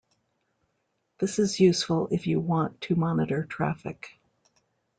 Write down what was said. This is useful if you want to monitor traffic.